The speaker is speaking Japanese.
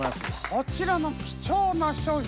こちらの貴重な商品